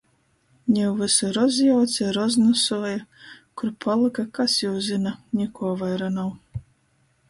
Niu vysu rozjauce, roznosuoja. Kur palyka, kas jū zyna. Nikuo vaira nav.